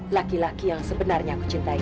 lagi laki yang sebenarnya aku cintai